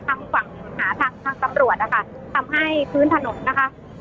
ทางฝั่งหาทางทางตำรวจนะคะทำให้พื้นถนนนะคะ